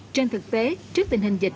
trên thực tế trước tình hình dịch